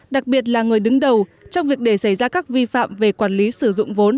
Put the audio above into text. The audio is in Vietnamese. đặc biệt là người đứng đầu trong việc để xảy ra các vi phạm về quản lý sử dụng vốn